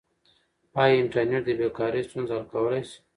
آیا انټرنیټ د بې کارۍ ستونزه حل کولای سي؟